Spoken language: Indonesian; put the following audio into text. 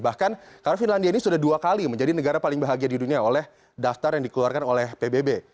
bahkan karena finlandia ini sudah dua kali menjadi negara paling bahagia di dunia oleh daftar yang dikeluarkan oleh pbb